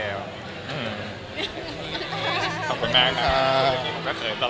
ขอบคุณมากค่ะผมก็เกิดตลอด